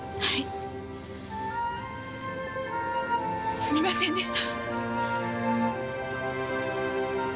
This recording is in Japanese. すみませんでした。